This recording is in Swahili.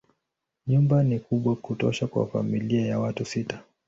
Nyumba ni kubwa kutosha kwa familia ya watu sita.